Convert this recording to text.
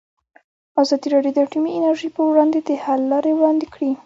ازادي راډیو د اټومي انرژي پر وړاندې د حل لارې وړاندې کړي.